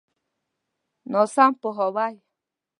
ناسم پوهاوی.